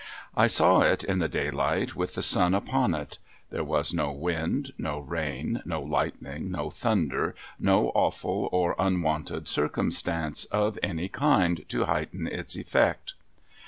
I saw it in the daylight, with the sun upon it. There was no wind, no rain, no lightning, no thunder, no awful or unwonted circumstance, of any kind, to heighten its eftect.